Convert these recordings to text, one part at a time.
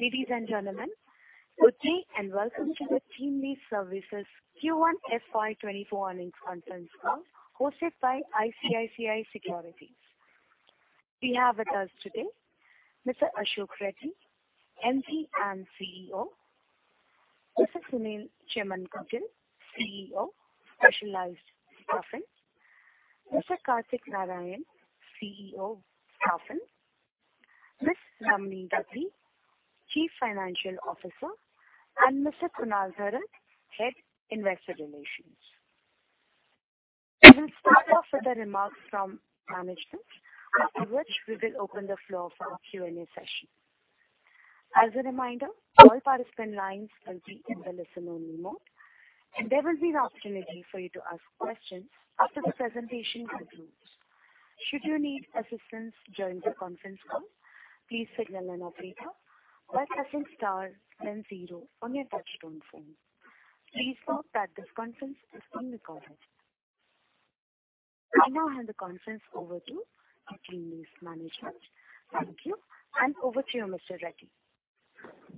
Ladies and gentlemen, good day. Welcome to the TeamLease Services Q1 FY 2024 Earnings Conference Call, hosted by ICICI Securities. We have with us today Mr. Ashok Reddy, MD and CEO, Mr. Sunil Chemmankotil, CEO, Specialized Staffing, Mr. Kartik Narayan, CEO, Staffing, Ms. Ramani Dathi, Chief Financial Officer, and Mr. Kunal Tharad, Head, Investor Relations. We will start off with the remarks from management, after which we will open the floor for our Q&A session. As a reminder, all participant lines will be in the listen-only mode, and there will be an opportunity for you to ask questions after the presentation concludes. Should you need assistance during the conference call, please signal an operator by pressing star then zero on your touchtone phone. Please note that this conference is being recorded. I now hand the conference over to the TeamLease Management. Thank you, and over to you, Mr. Reddy.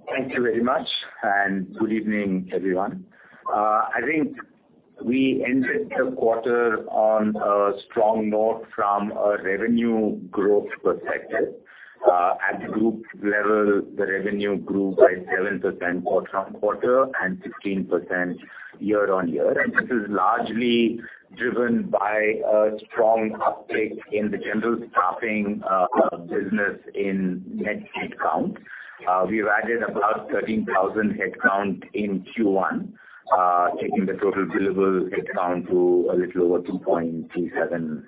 Thank you very much, and good evening, everyone. I think we ended the quarter on a strong note from a revenue growth perspective. At the group level, the revenue grew by 7% quarter-on-quarter and 16% year-on-year. This is largely driven by a strong uptick in the general staffing business in net headcount. We've added about 13,000 headcount in Q1, taking the total billable headcount to a little over 2.37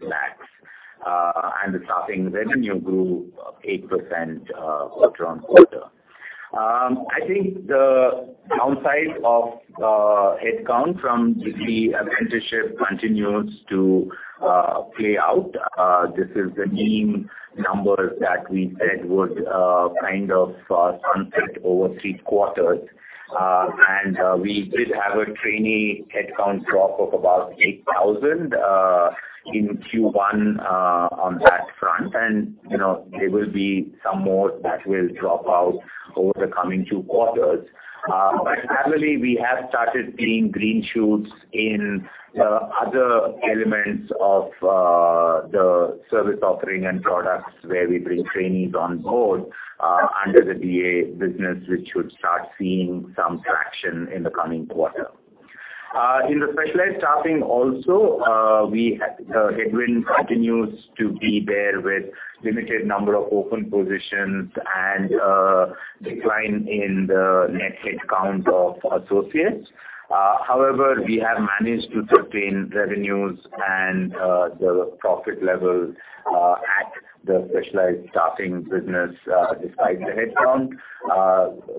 lakh. The staffing revenue grew 8% quarter-on-quarter. I think the downside of headcount from the apprenticeship continues to play out. This is the NIM numbers that we said would kind of sunset over three quarters. We did have a trainee headcount drop of about 8,000 in Q1 on that front. You know, there will be some more that will drop out over the coming two quarters. Happily, we have started seeing green shoots in other elements of the service offering and products where we bring trainees on board under the DA business, which should start seeing some traction in the coming quarter. In the specialized staffing also, the headwind continues to be there with limited number of open positions and decline in the net headcount of associates. However, we have managed to sustain revenues and the profit levels at the specialized staffing business despite the headcount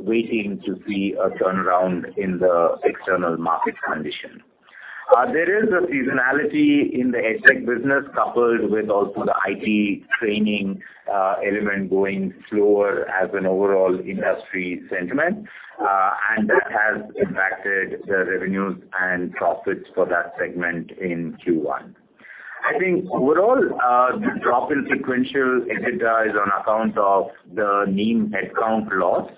waiting to see a turnaround in the external market condition. There is a seasonality in the EdTech business, coupled with also the IT training element going slower as an overall industry sentiment, and that has impacted the revenues and profits for that segment in Q1. I think overall, the drop in sequential EBITDA is on account of the NIM headcount loss,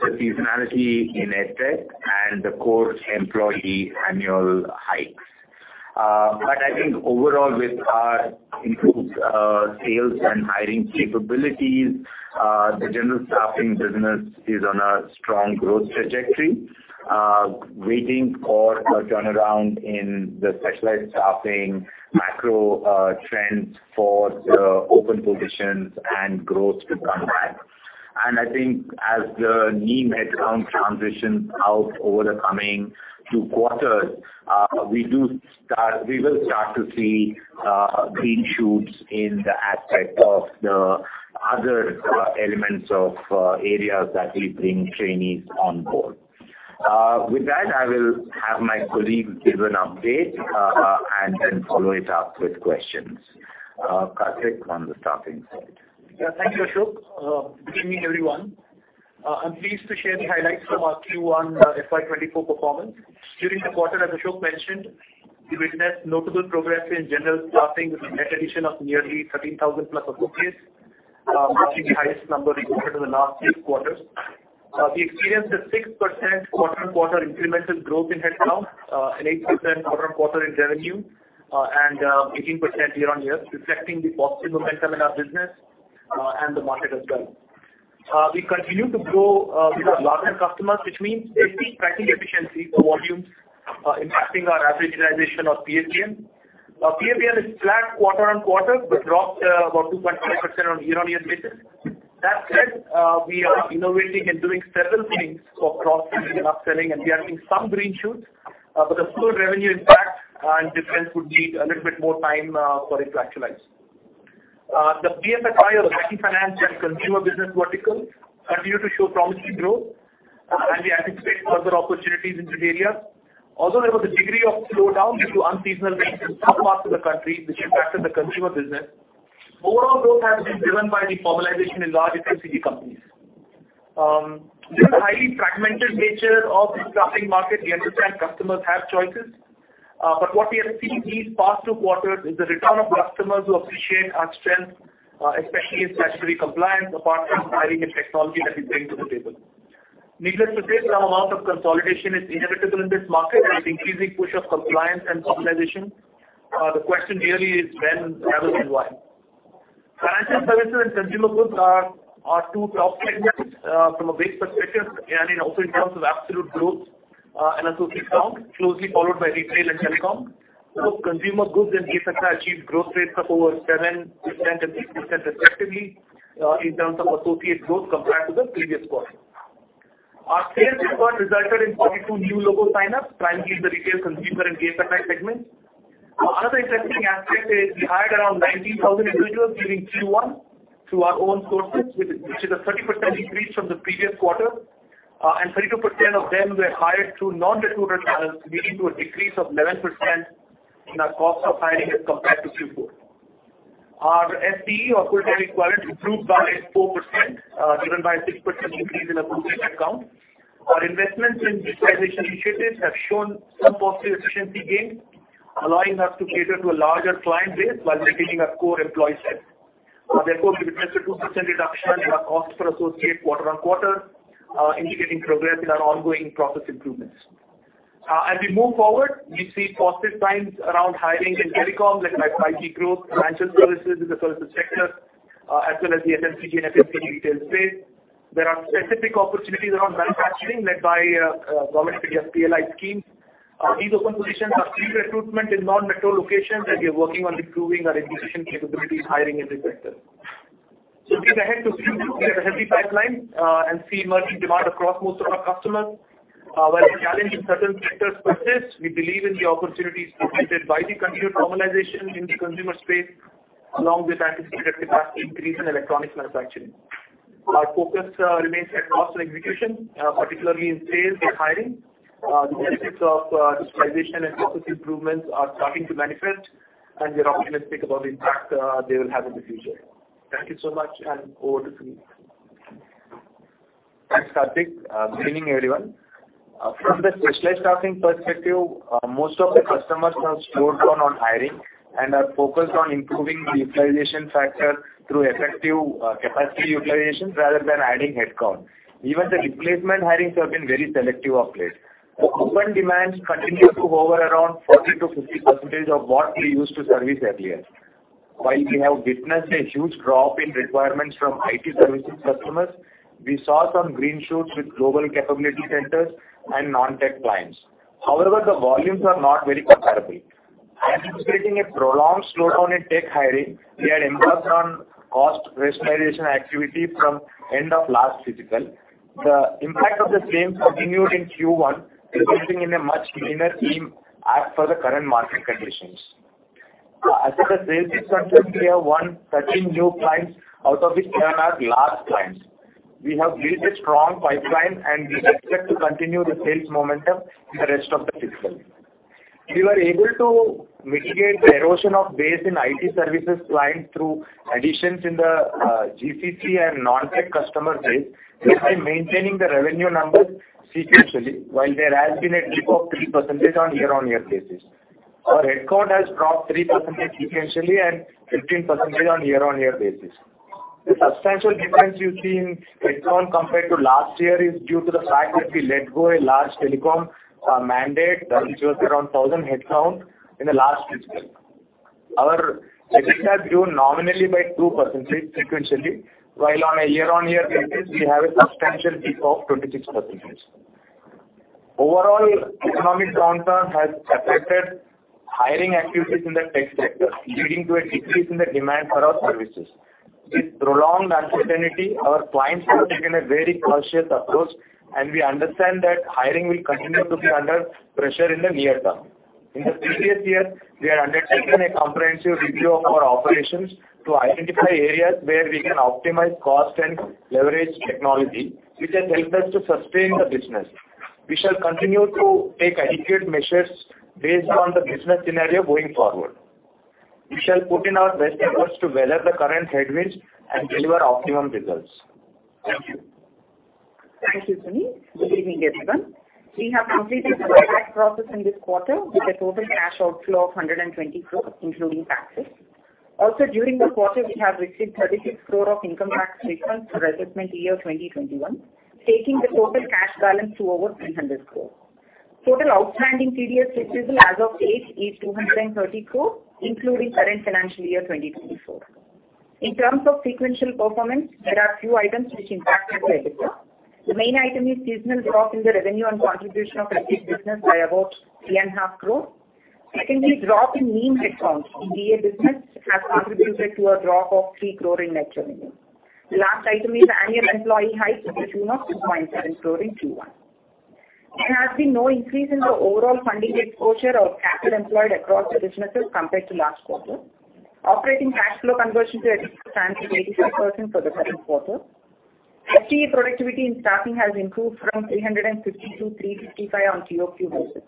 the seasonality in EdTech, and the core employee annual hikes. I think overall, with our improved sales and hiring capabilities, the General Staffing business is on a strong growth trajectory, waiting for a turnaround in the specialized staffing, macro trends for the open positions, and growth to come back. I think as the NIM headcount transitions out over the coming two quarters, we will start to see green shoots in the aspect of the other elements of areas that we bring trainees on board. With that, I will have my colleagues give an update and then follow it up with questions. Kartik, on the staffing side. Yeah. Thank you, Ashok. Good evening, everyone. I'm pleased to share the highlights of our Q1 FY 2024 performance. During the quarter, as Ashok mentioned, we witnessed notable progress in general staffing, with a net addition of nearly 13,000+ associates, which is the highest number recorded in the last six quarters. We experienced a 6% quarter-on-quarter incremental growth in headcount, an 8% quarter-on-quarter in revenue, and 18% year-on-year, reflecting the positive momentum in our business and the market as well. We continue to grow with our larger customers, which means we're seeing pricing efficiency for volumes, impacting our average realization of PABM. Our PABM is flat quarter-on-quarter, dropped about 2.5% on a year-on-year basis. That said, we are innovating and doing several things for cross-selling and upselling, and we are seeing some green shoots. The full revenue impact and difference would need a little bit more time for it to actualize. The BFSI or the finance and consumer business verticals continue to show promising growth, and we anticipate further opportunities in this area. Although there was a degree of slowdown due to unseasonal rains in some parts of the country, which impacted the consumer business, overall growth has been driven by the formalization in large FMCG companies. This highly fragmented nature of the staffing market, we understand customers have choices. What we have seen these past two quarters is the return of customers who appreciate our strength, especially in statutory compliance, apart from hiring and technology that we bring to the table. Needless to say, some amount of consolidation is inevitable in this market, and an increasing push of compliance and optimization. The question really is when, rather than why. Financial services and consumer goods are two top segments, from a base perspective, and in also in terms of absolute growth, and associate count, closely followed by retail and telecom. Both consumer goods and FMCG achieved growth rates of over 7% and 6% respectively, in terms of associate growth compared to the previous quarter. Our sales effort resulted in 42 new logo sign-ups, primarily in the retail, consumer, and FMCG segments. Another interesting aspect is we hired around 19,000 individuals during Q1 through our own sources, which is a 30% increase from the previous quarter. 32% of them were hired through non-recruiter channels, leading to a decrease of 11% in our cost of hiring as compared to Q4. Our FTE, or full-time equivalent, improved by 4%, driven by a 6% increase in our blueprint account. Our investments in digitization initiatives have shown some positive efficiency gains, allowing us to cater to a larger client base while maintaining our core employee set. Therefore, we witnessed a 2% reduction in our cost per associate quarter on quarter, indicating progress in our ongoing process improvements. As we move forward, we see positive signs around hiring in telecom, led by 5G growth, financial services in the services sector, as well as the FMCG and FMCG retail space. There are specific opportunities around manufacturing, led by government PLI scheme. These open positions are heavy recruitment in non-metro locations. We are working on improving our inefficient capabilities, hiring in this sector. Looking ahead to Q2, we have a heavy pipeline, and see emerging demand across most of our customers. While the challenge in certain sectors persist, we believe in the opportunities presented by the continued urbanization in the consumer space, along with anticipated capacity increase in electronics manufacturing. Our focus remains on cost and execution, particularly in sales and hiring. The benefits of digitalization and process improvements are starting to manifest, and we are optimistic about the impact they will have in the future. Thank you so much, and over to Sunil. Thanks, Kartik. Good evening, everyone. From the specialized staffing perspective, most of the customers have slowed down on hiring and are focused on improving the utilization factor through effective capacity utilization rather than adding headcount. Even the replacement hirings have been very selective of late. The open demands continue to hover around 40%-50% of what we used to service earlier. While we have witnessed a huge drop in requirements from IT services customers, we saw some green shoots with global capability centers and non-tech clients. However, the volumes are not very comparable. Anticipating a prolonged slowdown in tech hiring, we had embarked on cost rationalization activity from end of last fiscal. The impact of the same continued in Q1, resulting in a much leaner team as per the current market conditions. As a sales concern, we have won 13 new clients, out of which 10 are large clients. We have built a strong pipeline, and we expect to continue the sales momentum in the rest of the fiscal. We were able to mitigate the erosion of base in IT services clients through additions in the GCC and non-tech customer base, thereby maintaining the revenue numbers sequentially, while there has been a dip of 3% on year-on-year basis. Our headcount has dropped 3% sequentially and 15% on year-on-year basis. The substantial difference you see in headcount compared to last year is due to the fact that we let go a large telecom mandate, which was around 1,000 headcount in the last fiscal. Our headcount grew nominally by 2% sequentially, while on a year-on-year basis, we have a substantial dip of 26%. Overall, economic downturn has affected hiring activities in the tech sector, leading to a decrease in the demand for our services. With prolonged uncertainty, our clients have taken a very cautious approach, and we understand that hiring will continue to be under pressure in the near term. In the previous year, we have undertaken a comprehensive review of our operations to identify areas where we can optimize cost and leverage technology, which has helped us to sustain the business. We shall continue to take adequate measures based on the business scenario going forward. We shall put in our best efforts to weather the current headwinds and deliver optimum results. Thank you. Thank you, Sunil. Good evening, everyone. We have completed the buyback process in this quarter with a total cash outflow of 120 crore, including taxes. Also, during the quarter, we have received 36 crore of income tax refunds for assessment year 2021, taking the total cash balance to over 300 crore. Total outstanding TDS receivable as of date is 230 crore, including current financial year 2024. In terms of sequential performance, there are a few items which impacted the register. The main item is seasonal drop in the revenue and contribution of retail business by about 3.5 crore. Secondly, drop in NIM headcount in PA business has contributed to a drop of 3 crore in net revenue. The last item is the annual employee hike, which is 202.7 crore in Q1. There has been no increase in the overall funding head closure or capital employed across the businesses compared to last quarter. Operating cash flow conversion to a stand of 86% for the present quarter. FTE productivity in staffing has improved from 350-355 on quarter-over-quarter basis.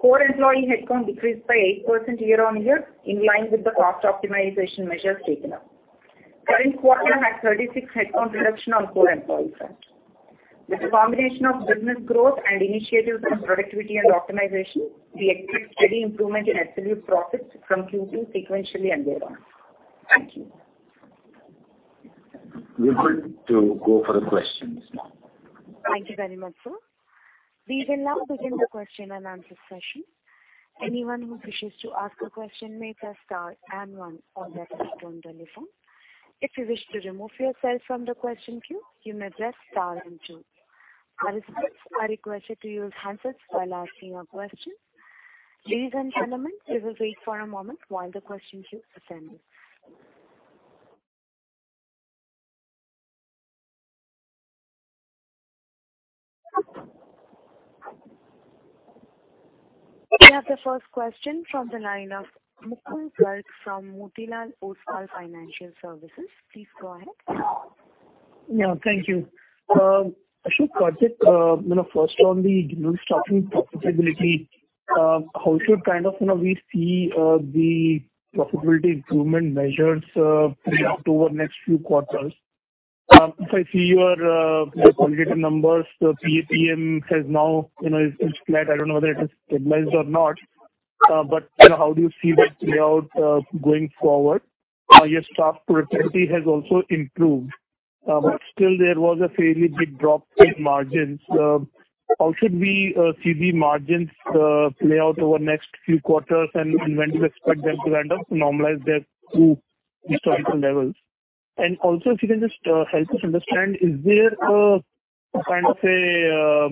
Core employee headcount decreased by 8% year-on-year, in line with the cost optimization measures taken up. Current quarter had 36 headcount reduction on core employee front. With a combination of business growth and initiatives on productivity and optimization, we expect steady improvement in absolute profits from Q2 sequentially and there on. Thank you. We're good to go for the questions now. Thank you very much, sir. We will now begin the Q&A session. Anyone who wishes to ask a question may press star and one on their telephone. If you wish to remove yourself from the question queue, you may press star and two. Our participants are requested to use handsets while asking your question. Ladies and gentlemen, please wait for a moment while the question queue assembles. We have the first question from the line of Mukul Garg from Motilal Oswal Financial Services. Please go ahead. Yeah, thank you. Ashok, Kartik, you know, first on the general staffing profitability, how should kind of, you know, we see the profitability improvement measures play out over the next few quarters? If I see your aggregated numbers, the PABM has now, you know, is flat. I don't know whether it is stabilized or not, you know, how do you see that play out going forward? Your staff profitability has also improved, still there was a fairly big drop in margins. How should we see the margins play out over the next few quarters, and when do you expect them to kind of normalize their to historical levels? If you can just help us understand, is there a kind of a,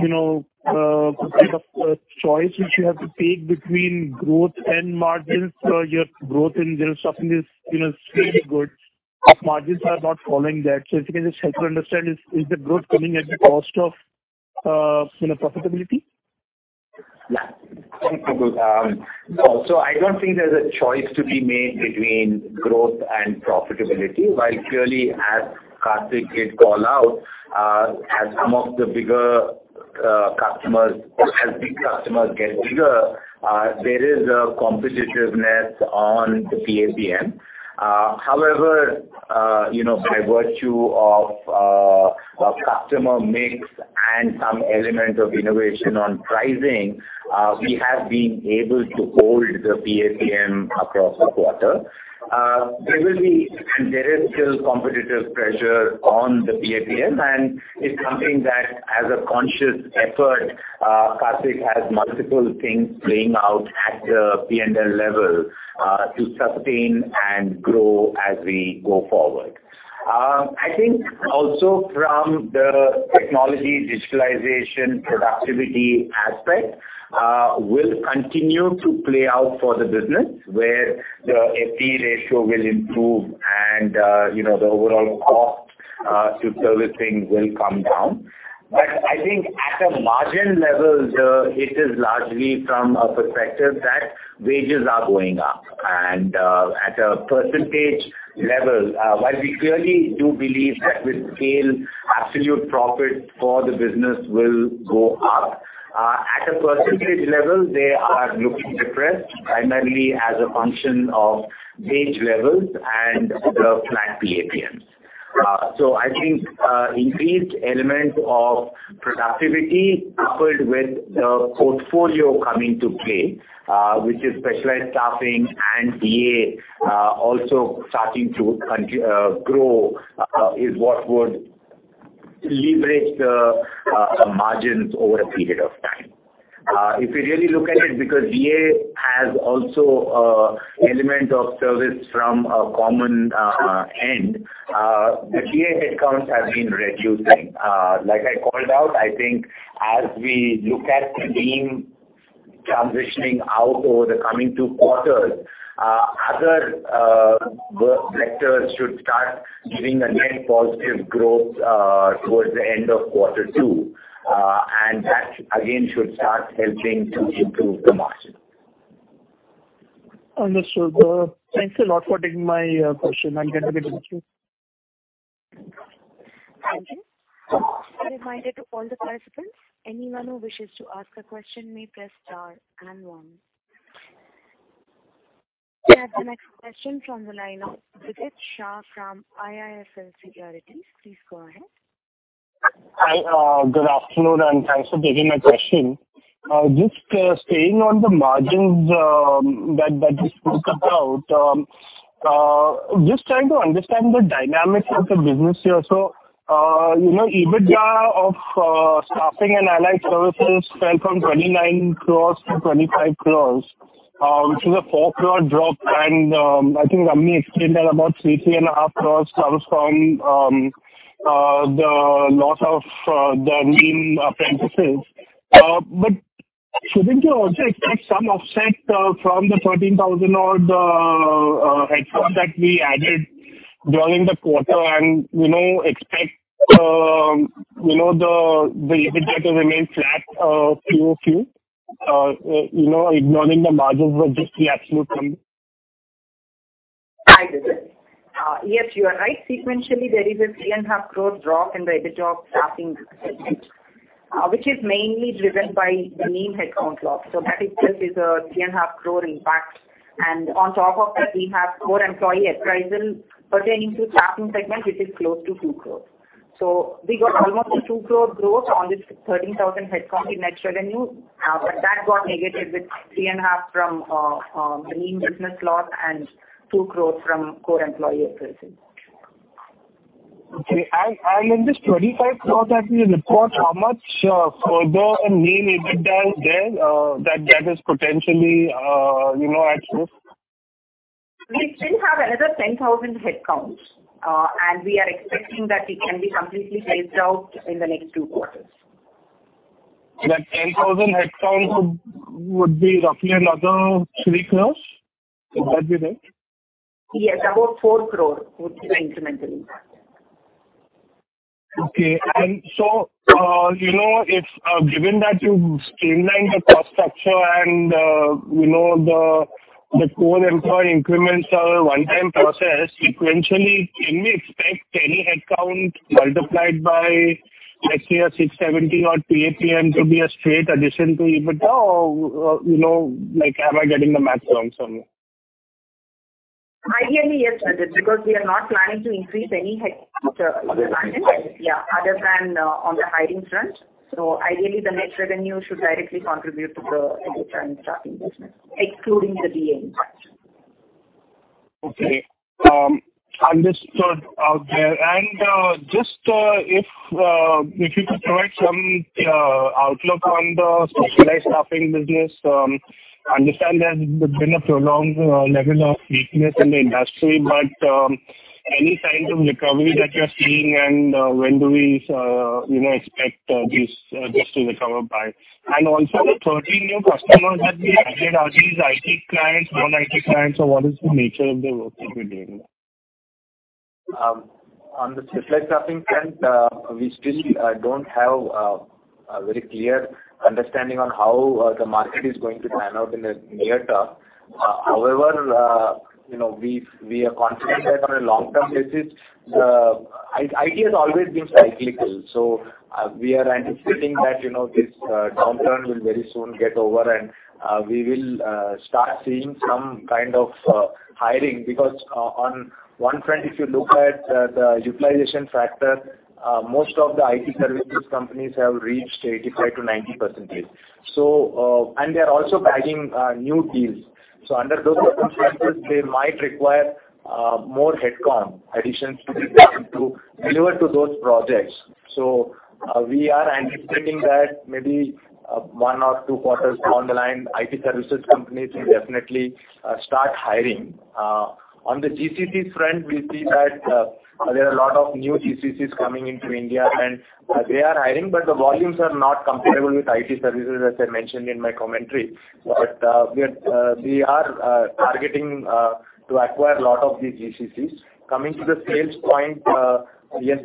you know, kind of a choice which you have to take between growth and margins? Your growth in general staffing is, you know, fairly good. Margins are not following that. If you can just help to understand, is the growth coming at the cost of, you know, profitability? Yeah. Thank you, Mukul. I don't think there's a choice to be made between growth and profitability, while clearly, as Kartik did call out, as some of the bigger customers or as big customers get bigger, there is a competitiveness on the PABM. However, you know, by virtue of a customer mix and some element of innovation on pricing, we have been able to hold the PABM across the quarter. There will be, and there is still competitive pressure on the PABM, and it's something that, as a conscious effort, Kartik has multiple things playing out at the PNL level, to sustain and grow as we go forward. I think also from the technology, digitalization, productivity aspect, will continue to play out for the business, where the FTE ratio will improve and, you know, the overall cost to servicing will come down. I think at a margin level, it is largely from a perspective that wages are going up. At a percentage level, while we clearly do believe that with scale, absolute profit for the business will go up, at a percentage level, they are looking depressed, primarily as a function of wage levels and the flat PABMs. I think increased element of productivity, coupled with the portfolio coming to play, which is specialized staffing and DA, also starting to grow, is what would leverage the margins over a period of time. If you really look at it, because DA has also, element of service from a common, end, the DA headcounts have been reducing. Like I called out, I think as we look at the NIM transitioning out over the coming two quarters, other, work vectors should start giving a net positive growth, towards the end of Q2, that again, should start helping to improve the margin. Understood. Thanks a lot for taking my question. I'll get back to you. Thank you. A reminder to all the participants, anyone who wishes to ask a question, may press star and one. We have the next question from the line of Vidit Shah from IIFL Securities. Please go ahead. Hi, good afternoon, thanks for taking my question. Just staying on the margins that you spoke about, just trying to understand the dynamics of the business here. You know, EBITDA of staffing and allied services fell from 29 crore to 25 crore, which is a 4 crore drop, and I think Ramu explained that about three and a half crore comes from the loss of the NIM apprentices. Shouldn't you also expect some offset from the 13,000-odd headcount that we added during the quarter, and, you know, expect, you know, the EBITDA to remain flat quarter-over-quarter? You know, ignoring the margins was just the absolute number. Hi, Vidit. Yes, you are right. Sequentially, there is an 3.5 crore drop in the EBITDA of staffing segment, which is mainly driven by the NIM headcount loss. That itself is an 3.5 crore impact, and on top of that, we have core employee appraisal pertaining to staffing segment, which is close to 2 crore. We got almost an 2 crore growth on this 13,000 headcount in net revenue, but that got negative with 3.5 crore from the NIM business loss and 2 crore from core employee appraisal. Okay. I understand INR 25,000 in the report, how much further in NIM EBITDA there, that is potentially, you know, at risk? We still have another 10,000 headcounts, and we are expecting that it can be completely phased out in the next two quarters. That 10,000 headcounts would be roughly another 3 crore? Would that be right? Yes, about 4 crore would be the incremental impact. Okay. You know, if, given that you've streamlined the cost structure and, you know, the core employee increments are a one-time process, sequentially, can we expect any headcount multiplied by, let's say, 670 or PABM to be a straight addition to EBITDA or, you know, like, am I getting the math wrong somewhere? Ideally, yes, because we are not planning to increase any head other than on the hiring front. Ideally, the net revenue should directly contribute to the EBITDA in the staffing business, excluding the DA impact. Okay. Understood out there. Just if you could provide some outlook on the specialized staffing business? I understand there's been a prolonged level of weakness in the industry, but any signs of recovery that you're seeing and when do we, you know, expect this to recover by? The 13 new customers that we added, are these IT clients, non-IT clients, or what is the nature of the work that we're doing? On the specialized staffing front, we still don't have a very clear understanding on how the market is going to pan out in the near term. However, you know, we are confident that on a long-term basis, IT has always been cyclical. We are anticipating that, you know, this downturn will very soon get over, and we will start seeing some kind of hiring. Because on one front, if you look at the utilization factor, most of the IT services companies have reached 85%-90%. They're also bagging new deals. Under those circumstances, they might require more headcount additions to be done to deliver to those projects. We are anticipating that maybe one or two quarters down the line, IT services companies will definitely start hiring. On the GCC front, we see that there are a lot of new GCCs coming into India, and they are hiring, but the volumes are not comparable with IT services, as I mentioned in my commentary. We are targeting to acquire a lot of these GCCs. Coming to the sales point, yes,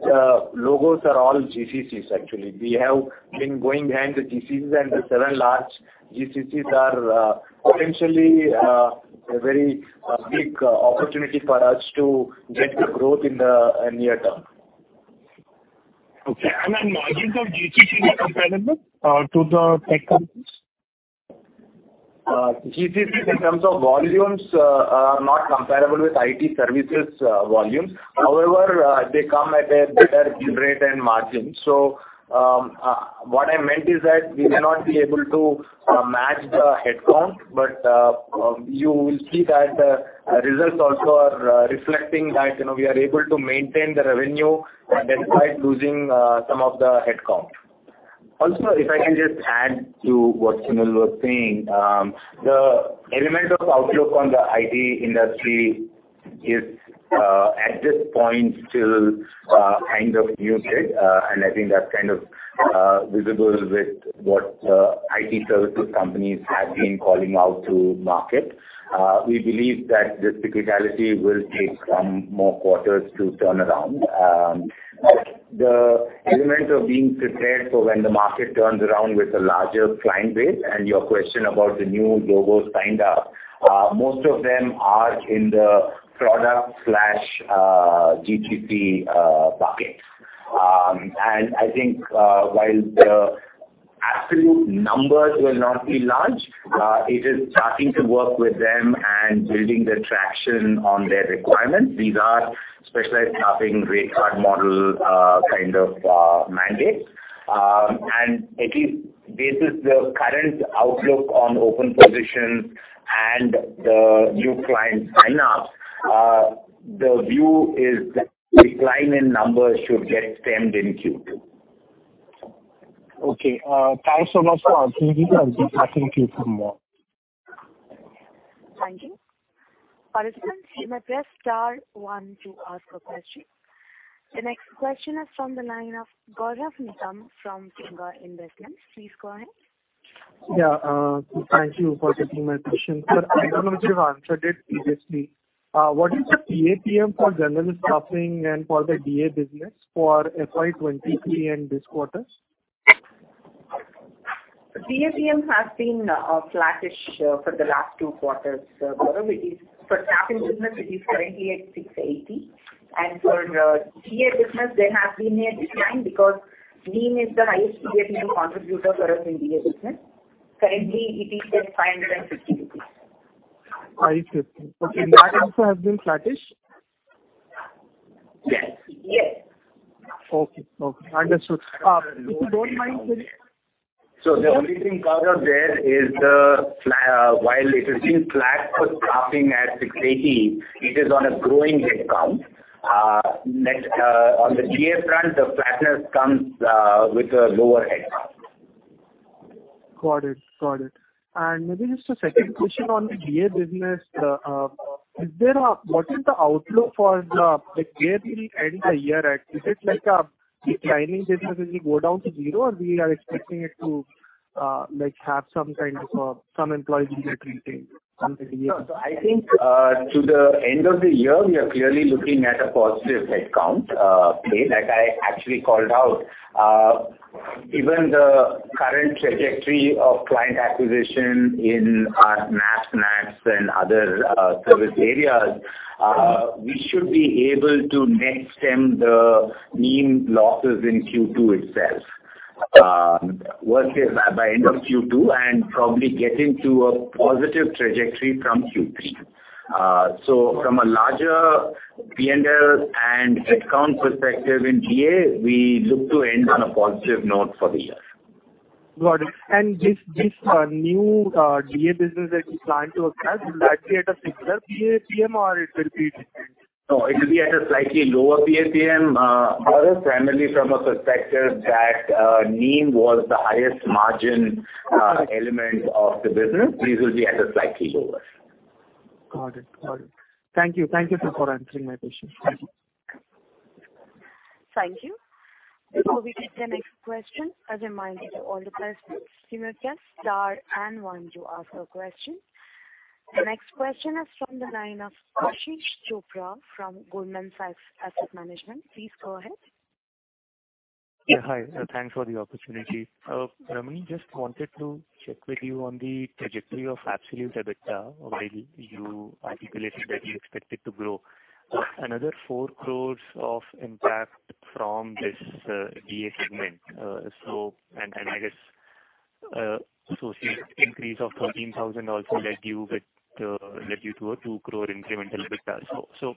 logos are all GCCs, actually. We have been going behind the GCCs, and the seven large GCCs are potentially a very big opportunity for us to get the growth in the near term. Okay. The margins of GCC are comparable to the tech companies? GCC in terms of volumes, are not comparable with IT services, volumes. However, they come at a better rate and margin. What I meant is that we may not be able to match the headcount, but, you will see that the results also are reflecting that, you know, we are able to maintain the revenue despite losing some of the headcount. If I can just add to what Sunil was saying. The element of outlook on the IT industry is at this point, still kind of muted, and I think that's kind of visible with what IT services companies have been calling out to market. We believe that this cyclicality will take some more quarters to turn around. The element of being prepared for when the market turns around with a larger client base, and your question about the new logos signed up, most of them are in the product slash GCC bucket. I think, while the absolute numbers will not be large, it is starting to work with them and building the traction on their requirements. These are specialized staffing rate card model, kind of mandates. At least this is the current outlook on open positions and the new client sign ups. The view is that decline in numbers should get stemmed in Q2. Okay, thanks so much for answering. I'll just thank you for more. Thank you. Participants, you may press star one to ask a question. The next question is from the line of Gaurav Nigam from Tunga Investments. Please go ahead. Yeah, thank you for taking my question. Sir, I know you've answered it previously. What is the PABM for general staffing and for the DA business for FY 23 and this quarter? The PABM has been flattish for the last two quarters, Gaurav. For staffing business, it is currently at 680, and for DA business, there has been a decline because NIM is the highest PA contributor for us in DA business. Currently, it is at INR 550. INR 550. Okay, margin also has been flattish? Yes, yes. Okay, understood. if you don't mind- The only thing, Gaurav, there is while it has been flat for staffing at 680, it is on a growing headcount. Next, on the GA front, the flatness comes with a lower headcount. Got it, got it. Maybe just a second question on the GA business. What is the outlook for the, like, where we will end the year at? Is it like a declining business, will it go down to zero, or we are expecting it to, like, have some kind of, some employees will get retained on the GA? I think, to the end of the year, we are clearly looking at a positive headcount, play, like I actually called out. Even the current trajectory of client acquisition in our NAPS, NATS and other, service areas, we should be able to net stem the mean losses in Q2 itself. Worse case, by end of Q2, and probably get into a positive trajectory from Q3. So from a larger PNL and headcount perspective in GA, we look to end on a positive note for the year. Got it. This new GA business that you plan to acquire, will that be at a similar PABM or it will be different? No, it will be at a slightly lower PABM, primarily from a perspective that, NIM was the highest margin, element of the business. This will be at a slightly lower. Got it. Thank you, sir, for answering my question. Thank you. Before we take the next question, as a reminder to all the participants, you may press star and one to ask a question. The next question is from the line of Ashish Chopra from Goldman Sachs Asset Management. Please go ahead. Hi, thanks for the opportunity. Ramani, just wanted to check with you on the trajectory of absolute EBITDA, while you articulated that you expect it to grow. Another 4 crore of impact from this DA segment. I guess, increase of 13,000 also led you to a 2 crore incremental EBITDA.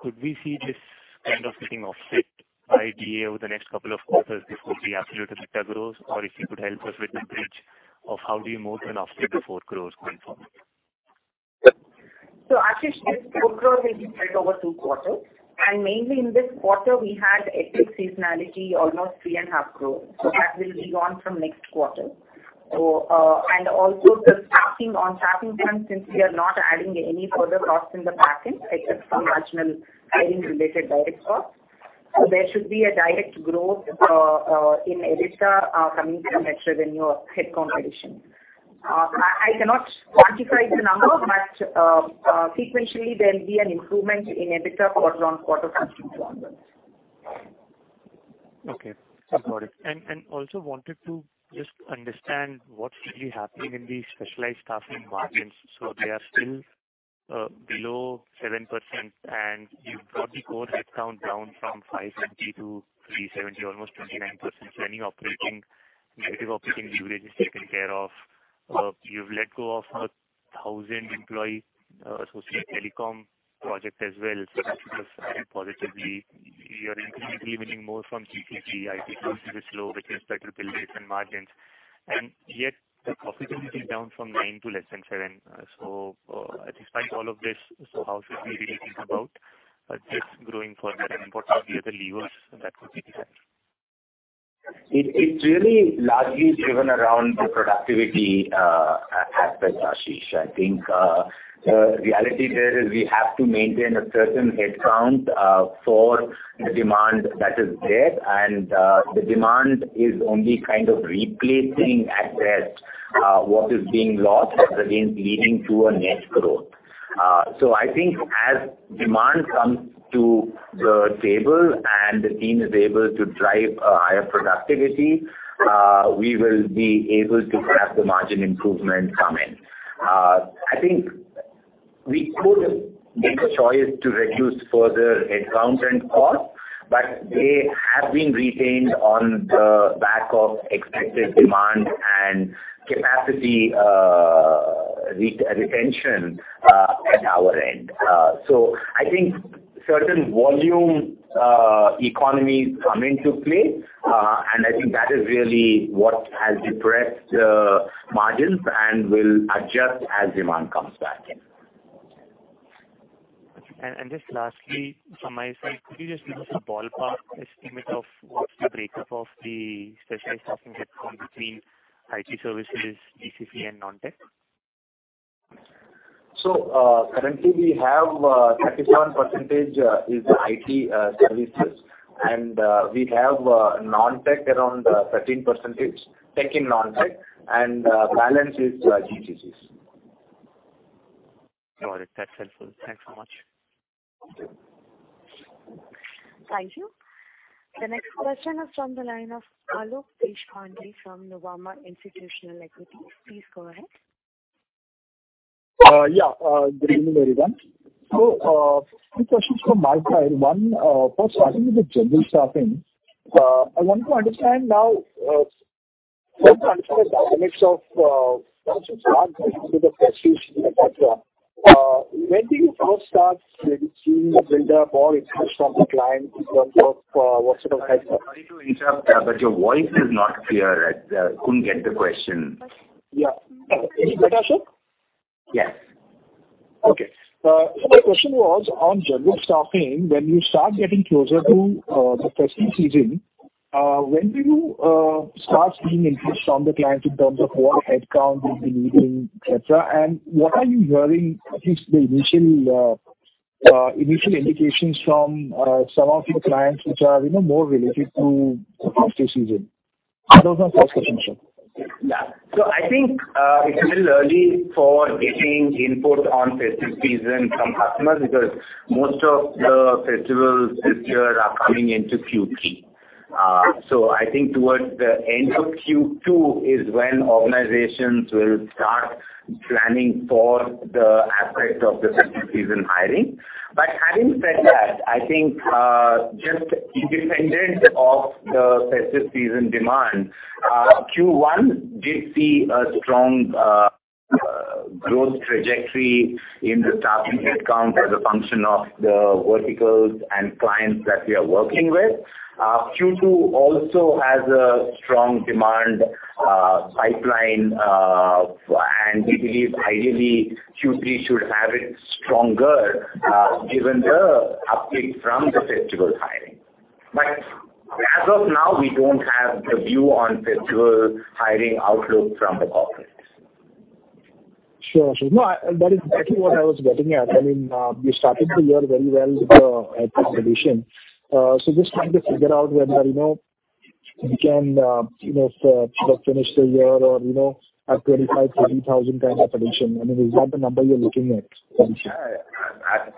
Could we see this kind of getting offset by DA over the next couple of quarters before the absolute EBITDA grows? Or if you could help us with the bridge of how do you move from offset to 4 crore going forward? Ashish, this 4 crore will be spread over two quarters, and mainly in this quarter, we had exit seasonality, almost 3.5 crore. That will be gone from next quarter. Also the staffing, on staffing front, since we are not adding any further costs in the backend, except some marginal hiring-related direct costs. There should be a direct growth in EBITDA coming from net revenue or headcount addition. I cannot quantify the number, but, sequentially, there will be an improvement in EBITDA quarter-on-quarter from two onwards. Okay, got it. Also wanted to just understand what's really happening in the specialized staffing margins. They are still below 7%, and you've got the core headcount down from 570 to 370, almost 29%. Any negative operating leverage is taken care of. You've let go of 1,000 employee associated telecom project as well, so that should have helped positively. You're increasingly winning more from GCC, IT services flow, which has better billings and margins, and yet the profitability is down from 9% to less than 7%. Despite all of this, how should we really think about this growing further, and what are the other levers that could be different? It's really largely driven around the productivity, aspect, Ashish. I think the reality there is we have to maintain a certain headcount for the demand that is there, and the demand is only kind of replacing as well, what is being lost and again leading to a net growth. I think as demand comes to the table and the team is able to drive a higher productivity, we will be able to have the margin improvement come in. I think we could make a choice to reduce further headcounts and costs, but they have been retained on the back of expected demand and capacity, retention at our end. I think certain volume economies come into play, and I think that is really what has depressed margins and will adjust as demand comes back in. Just lastly, from my side, could you just give us a ballpark estimate of what's the breakup of the specialized staffing headcount between IT services, GCC and non-tech? Currently we have 37% is IT services, and we have non-tech around 13%, tech and non-tech, and balance is GCCs. Got it. That's helpful. Thanks so much. Thank you. The next question is from the line of Alok Deshpande from Nuvama Institutional Equities. Please go ahead. Yeah, good evening, everyone. Two questions from my side. One, first starting with the general staffing. I want to understand the dynamics of, large into the festive season, et cetera. When do you first start seeing a build-up or interest from the clients in terms of, what sort of types of. Sorry to interrupt, but your voice is not clear. I, couldn't get the question. Is it better, Ashok? Yes. Okay. My question was on general staffing, when you start getting closer to the festive season, when do you start seeing interest from the clients in terms of what headcount you'll be needing, et cetera? What are you hearing, at least the initial indications from some of your clients which are, you know, more related to the festive season? Those are my first questions, sir. Yeah. I think it's a little early for getting input on festive season from customers, because most of the festivals this year are coming into Q3. I think towards the end of Q2 is when organizations will start planning for the aspect of the festive season hiring. Having said that, I think, just independent of the festive season demand, Q1 did see a strong growth trajectory in the staffing headcount as a function of the verticals and clients that we are working with. Q2 also has a strong demand pipeline, and we believe ideally, Q3 should have it stronger, given the uplift from the festival hiring. As of now, we don't have the view on festival hiring outlook from the clients. Sure, sure. That is exactly what I was getting at. I mean, we started the year very well with the addition. Just trying to figure out whether, you know, we can, you know, sort of finish the year or, you know, at 25,000-30,000 kind of addition. I mean, is that the number you're looking at? Yeah.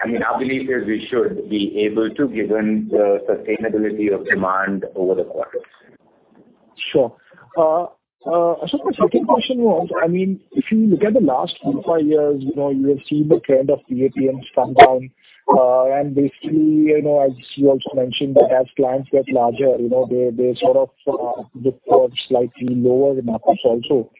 I mean, our belief is we should be able to, given the sustainability of demand over the quarters. Sure. Ashok, my second question was, I mean, if you look at the last three to five years, you know, you have seen the trend of the PABM come down. Basically, you know, as you also mentioned, that as clients get larger, you know, they sort of look for slightly lower markups also.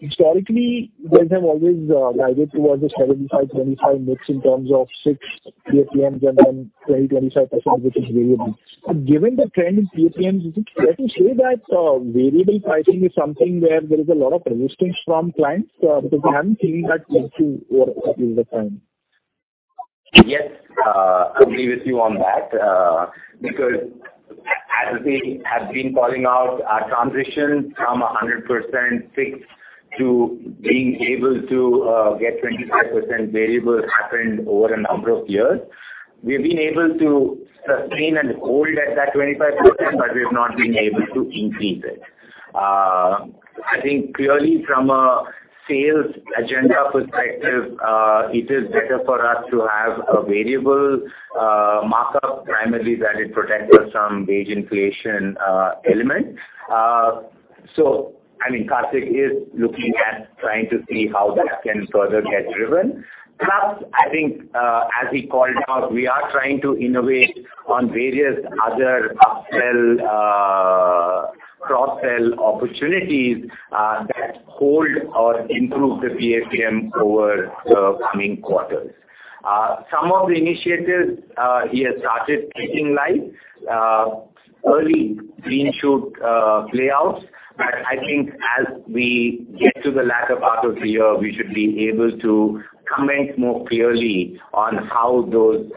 Historically, guys have always guided towards a 75-25 mix in terms of fixed PABMs and then 20-25%, which is variable. Given the trend in PABMs, is it fair to say that variable pricing is something where there is a lot of resistance from clients? Because we haven't seen that much to over time. Yes, I agree with you on that. Because as we have been calling out, our transition from 100% fixed to being able to get 25% variable happened over a number of years. We've been able to sustain and hold at that 25%, but we've not been able to increase it. I think clearly from a sales agenda perspective, it is better for us to have a variable markup, primarily that it protects us from wage inflation element. I mean, Kartik is looking at trying to see how that can further get driven. Plus, I think, as he called out, we are trying to innovate on various other upsell, cross-sell opportunities, that hold or improve the PABM over the coming quarters. Some of the initiatives, he has started taking live, early green shoot, play out. I think as we get to the latter part of the year, we should be able to comment more clearly on how those,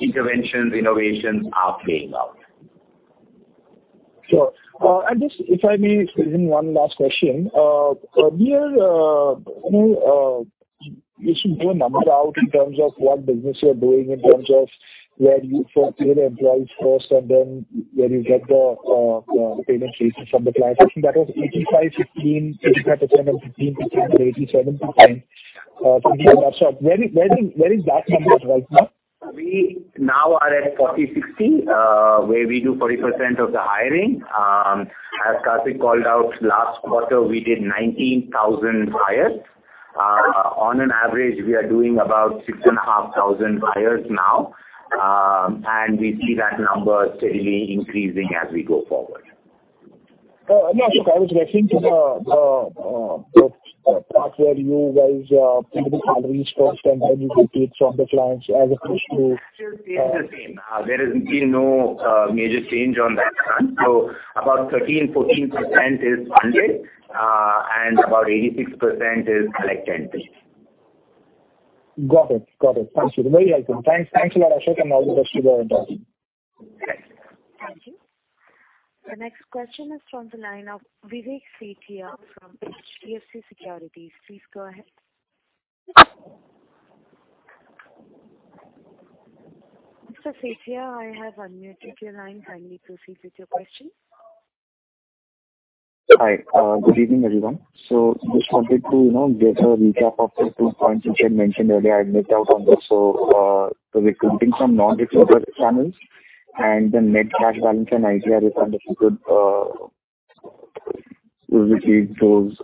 interventions, innovations are playing out. I may, one last question. Earlier, you know, you should do a number out in terms of what business you are doing in terms of where you for clear employees first, and then where you get the payment cases from the client. I think that was 85, 15, 85% and 15% or 87%. From where is that number right now We now are at 40-60, where we do 40% of the hiring. As Kartik called out, last quarter, we did 19,000 hires. On an average, we are doing about 6,500 hires now, and we see that number steadily increasing as we go forward. No, Ashok, I was referring to the part where you guys pay the salaries first, and then you get it from the clients as opposed to. Still stays the same. There is still no major change on that front. About 13%, 14% is funded, about 86% is collect and pay. Got it. Thank you. Very helpful. Thanks a lot, Ashok, I'll just go ahead and hang up. Thank you. The next question is from the line of Vivek Sethia from HDFC Securities. Please go ahead. Mr. Sethia, I have unmuted your line. Kindly proceed with your question. Hi, good evening, everyone. Just wanted to, you know, get a recap of the two points which you had mentioned earlier. I had missed out on this. The recruiting from non-recruiter channels and the net cash balance and ITR, if you could repeat those,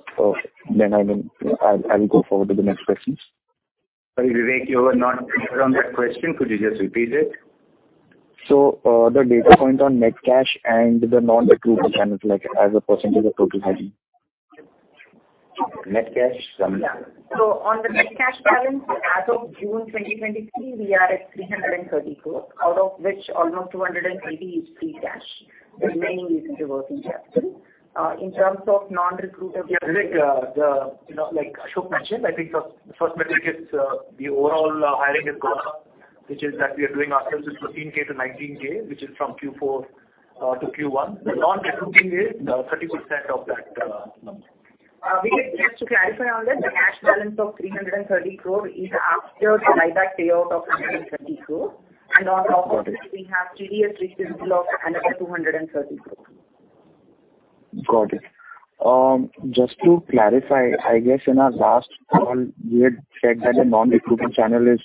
then I will go forward with the next questions. Sorry, Vivek, you were not clear on that question. Could you just repeat it? The data point on net cash and the non-recruiter channels, like, as a percentage of total hiring. Net cash, Ramani? Yeah. On the net cash balance, as of June 2023, we are at 330 crore, out of which almost 280 is free cash. The remaining is working capital. Yeah, Vivek, you know, like Ashok mentioned, I think the first metric is the overall hiring is gone up, which is that we are doing ourselves is 13k to 19k, which is from Q4 to Q1. The non-recruiting is 30% of that number. Vivek, just to clarify on that, the cash balance of 330 crore is after the buyback payout of 130 crore. On top of this, we have TDS receivable of another 230 crore. Got it. just to clarify, I guess in our last call, you had said that the non-recruiting channel is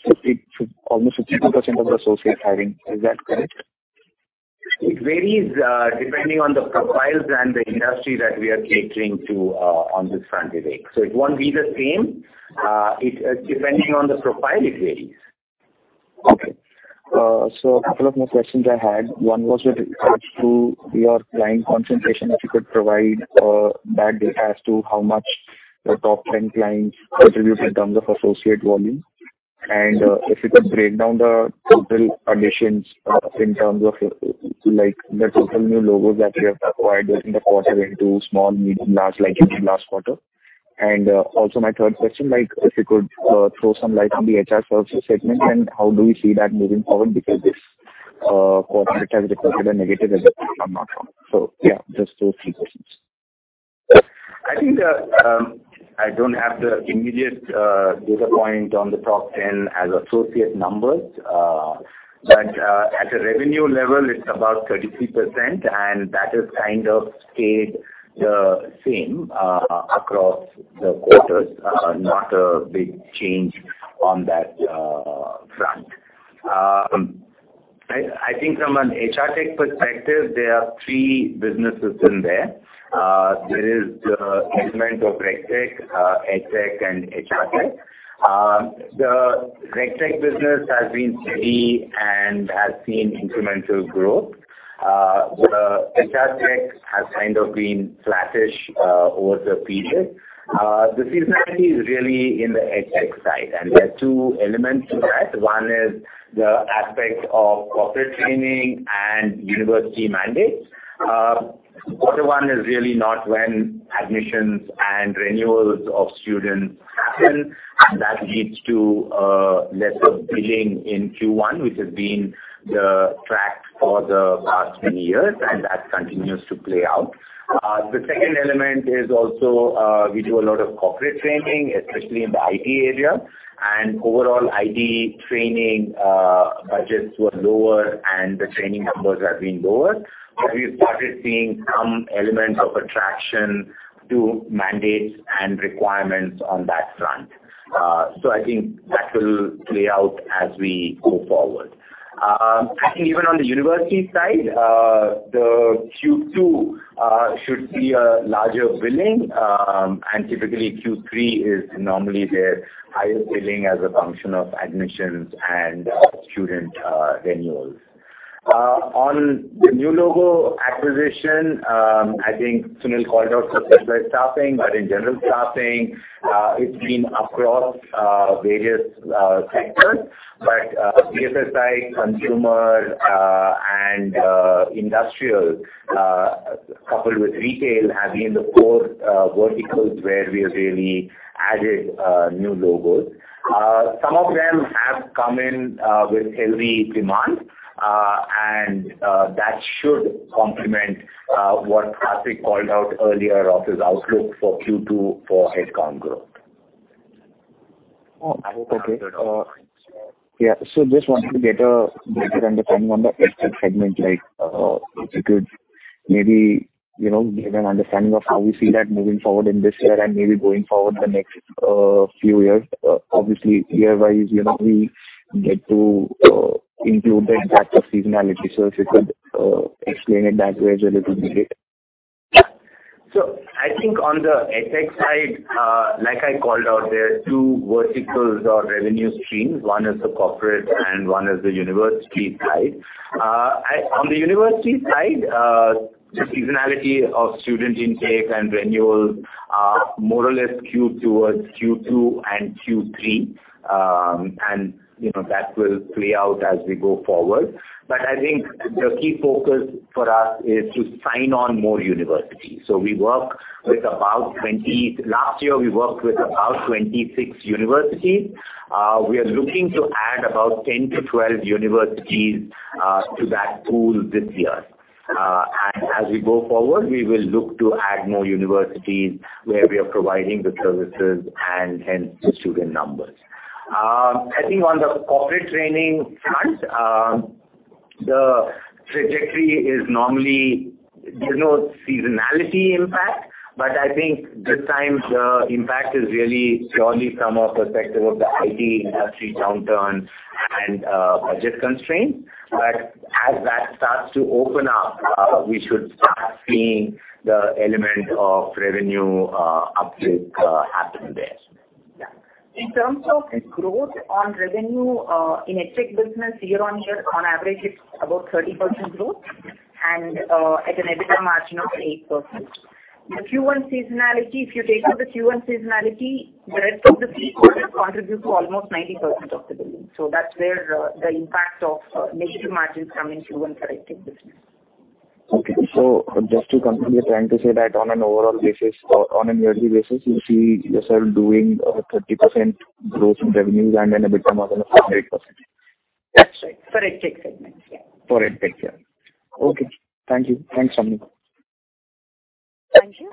almost 52% of the associate hiring. Is that correct? It varies, depending on the profiles and the industry that we are catering to, on this front, Vivek. It won't be the same. It, depending on the profile, it varies. Okay. A couple of more questions I had. One was with regards to your client concentration. If you could provide that data as to how much the top ten clients contribute in terms of associate volume. If you could break down the total additions in terms of, like, the total new logos that you have acquired during the course of into small, medium, large, like in the last quarter. Also my third question, like, if you could throw some light on the HR services segment and how do you see that moving forward? Because this quarter it has reported a negative result, if I'm not wrong. Yeah, just those three questions. I think, I don't have the immediate data point on the top 10 as associate numbers. At a revenue level, it's about 33%, and that has kind of stayed the same across the quarters. Not a big change on that front. I think from an HRTech perspective, there are three businesses in there. There is the segment of Regtech, Ed-tech, and HRTech. The Regtech business has been steady and has seen incremental growth. The HRTech has kind of been flattish over the period. The seasonality is really in the EdTech side, and there are two elements to that. One is the aspect of corporate training and university mandates. Q1 is really not when admissions and renewals of students happen, and that leads to less of billing in Q1, which has been the track for the past few years, and that continues to play out. The second element is also, we do a lot of corporate training, especially in the IT area, and overall IT training budgets were lower and the training numbers have been lower. We started seeing some elements of attraction to mandates and requirements on that front. I think that will play out as we go forward. I think even on the university side, the Q2 should see a larger billing, and typically Q3 is normally their highest billing as a function of admissions and student renewals. On the new logo acquisition, I think Sunil called out success by staffing, but in general staffing, it's been across various sectors. But BFSI, consumer, and industrial coupled with retail, have been the four verticals where we have really added new logos. Some of them have come in with healthy demand, and that should complement what Kartik called out earlier of his outlook for Q2 for head count growth Oh, okay. Yeah. Just wanted to get a better understanding on the EdTech segment, like, if you could maybe, you know, give an understanding of how we see that moving forward in this year and maybe going forward the next few years. Obviously, year-wise, you know, we get to include the impact of seasonality. If you could, explain it that way as well, it would be great. I think on the EdTech side, like I called out, there are two verticals or revenue streams. One is the corporate and one is the university side. On the university side, the seasonality of student intake and renewals are more or less skewed towards Q2 and Q3. And, you know, that will play out as we go forward. I think the key focus for us is to sign on more universities. Last year, we worked with about 26 universities. We are looking to add about 10-12 universities to that pool this year. And as we go forward, we will look to add more universities where we are providing the services and hence, the student numbers. I think on the corporate training front, the trajectory is normally, there's no seasonality impact, but I think this time the impact is really purely from a perspective of the IT industry downturn and budget constraint. As that starts to open up, we should start seeing the element of revenue uptick happening there. Yeah. In terms of growth on revenue, in EdTech business, year-over-year, on average, it's about 30% growth and at an EBITDA margin of 8%. The Q1 seasonality, if you take out the Q1 seasonality, the rest of the three quarters contribute to almost 90% of the business. That's where the impact of negative margins come in Q1 for EdTech business. Okay. just to confirm, you're trying to say that on an overall basis or on an yearly basis, you see yourself doing, 30% growth in revenues and an EBITDA margin of 8%? That's right. For EdTech segment, yeah. For EdTech, yeah. Okay, thank you. Thanks, Ramani. Thank you.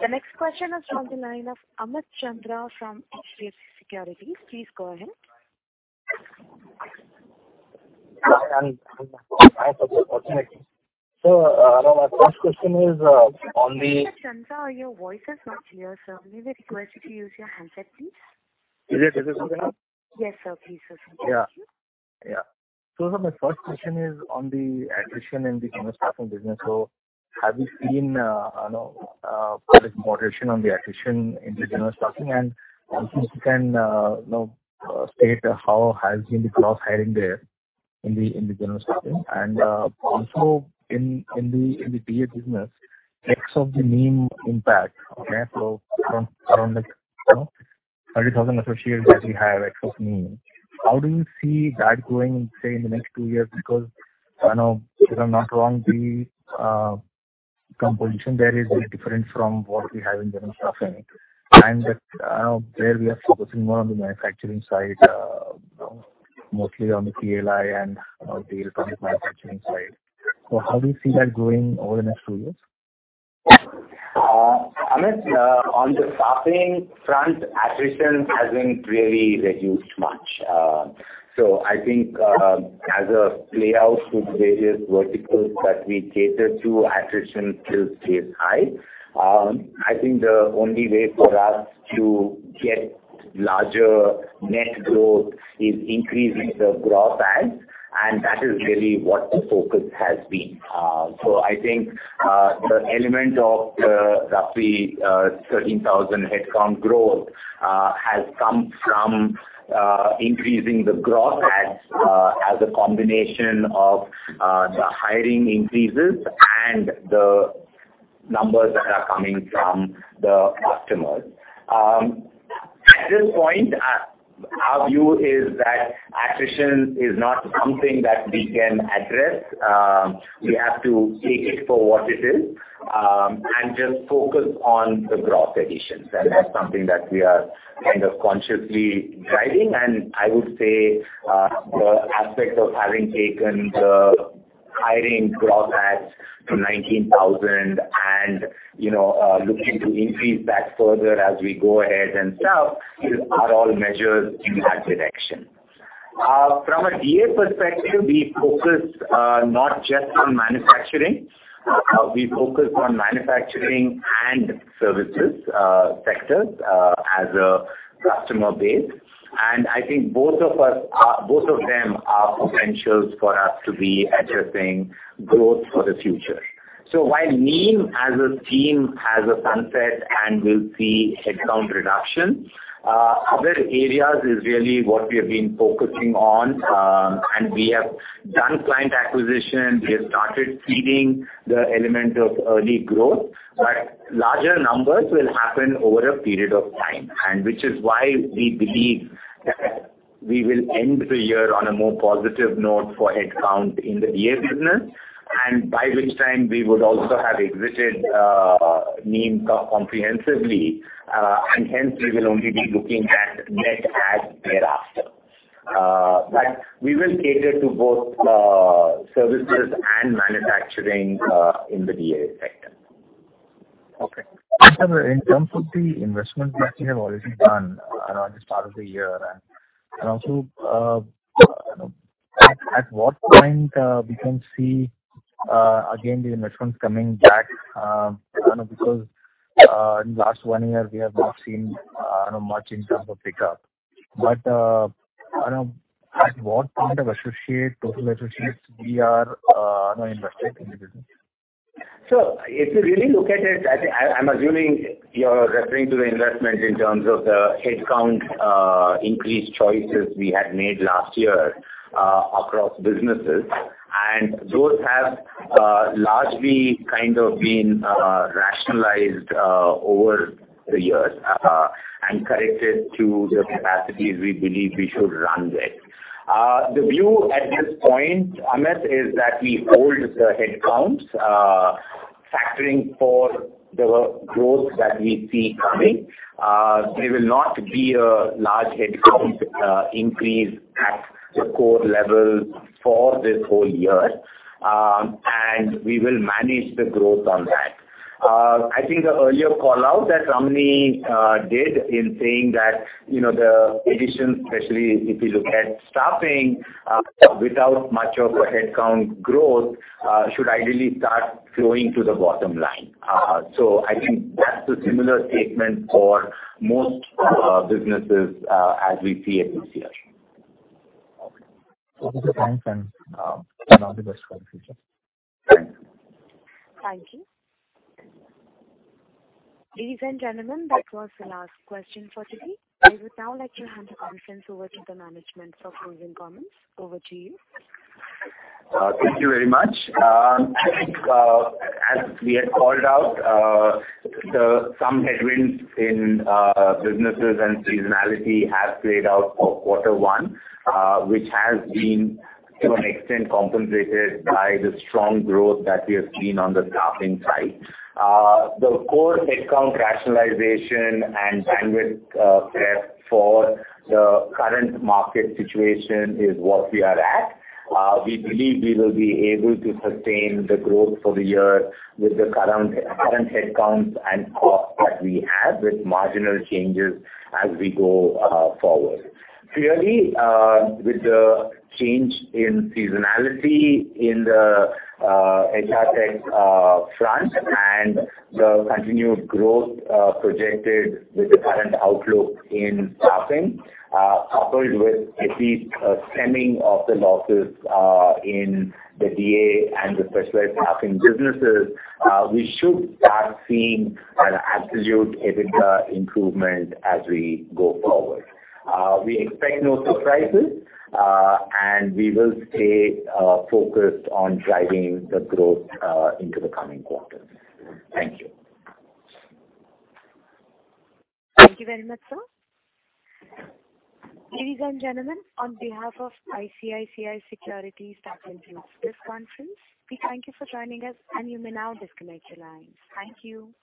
The next question is on the line of Amit Chandra from HDFC Securities. Please go ahead. Yeah, thanks for the opportunity. My first question is. Mr. Chandra, your voice is not clear, sir. May we request you to use your handset, please? Is it better now? Yes, sir. Please, sir. Yeah. Yeah. My first question is on the attrition in the general staffing business. Have you seen, I know, there is moderation on the attrition in the general staffing? If you can, you know, state how has been the cross-hiring there in the general staffing. Also in the DA business, X of the NIM impact, okay, so around, like, you know, 30,000 associates that we have X of NIM. How do you see that going, say, in the next 2 years? I know, if I'm not wrong, the composition there is very different from what we have in general staffing. There we are focusing more on the manufacturing side, you know, mostly on the PLI and the electronic manufacturing side. How do you see that growing over the next two years? Amit, on the staffing front, attrition hasn't really reduced much. As a play out to various verticals that we cater to, attrition still stays high. I think the only way for us to get larger net growth is increasing the gross adds, and that is really what the focus has been. The element of roughly 13,000 headcount growth has come from increasing the gross adds as a combination of the hiring increases and the numbers that are coming from the customers. At this point, our view is that attrition is not something that we can address. We have to take it for what it is, and just focus on the gross additions. That's something that we are kind of consciously driving, and I would say, the aspect of having taken the hiring gross adds to 19,000 and, you know, looking to increase that further as we go ahead, are all measures in that direction. From a DA perspective, we focus not just on manufacturing. We focus on manufacturing and services sectors as a customer base, and I think both of them are potentials for us to be addressing growth for the future. While NIM as a team, has a sunset and will see headcount reduction, other areas is really what we have been focusing on, and we have done client acquisition, we have started seeing the element of early growth. Larger numbers will happen over a period of time, and which is why we believe that we will end the year on a more positive note for headcount in the DA business, and by which time we would also have exited NIM comprehensively, and hence we will only be looking at net adds thereafter. We will cater to both services and manufacturing in the DA sector. Okay. In terms of the investment that you have already done, on this part of the year, and also, at what point, we can see, again, the investments coming back? I know, because, in the last one year, we have not seen, much in terms of pickup. I know at what point of associate, total associates, we are, invested in the business? If you really look at it, I'm assuming you're referring to the investment in terms of the headcount increase choices we had made last year across businesses. Those have largely kind of been rationalized over the years and corrected to the capacities we believe we should run with. The view at this point, Amit, is that we hold the headcounts factoring for the growth that we see coming, there will not be a large headcount increase at the core level for this whole year. We will manage the growth on that. I think the earlier call-out that Ramani did in saying that, you know, the addition, especially if you look at staffing, without much of a headcount growth, should ideally start flowing to the bottom line. I think that's a similar statement for most businesses, as we see it this year. Okay. Thanks, and all the best for the future. Thank you. Ladies and gentlemen, that was the last question for today. I would now like to hand the conference over to the management for closing comments. Over to you. Thank you very much. I think, as we had called out, some headwinds in businesses and seasonality have played out for quarter one, which has been to an extent compensated by the strong growth that we have seen on the staffing side. The core headcount rationalization and bandwidth prep for the current market situation is what we are at. We believe we will be able to sustain the growth for the year with the current headcounts and costs that we have, with marginal changes as we go forward. Clearly, with the change in seasonality in the HRTech front and the continued growth projected with the current outlook in staffing, coupled with at least a stemming of the losses in the DA and the specialized staffing businesses, we should start seeing an absolute EBITDA improvement as we go forward. We expect no surprises, and we will stay focused on driving the growth into the coming quarters. Thank you. Thank you very much, sir. Ladies and gentlemen, on behalf of ICICI Securities, that concludes this conference. We thank you for joining us, and you may now disconnect your lines. Thank you.